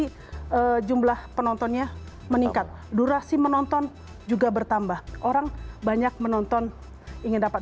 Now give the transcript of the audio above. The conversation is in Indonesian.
tapi jumlah penontonnya meningkat durasi menonton juga bertambah orang banyak menonton ingin dapat